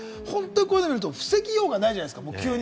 こういうのを見ると、本当に防ぎようがないじゃないですか。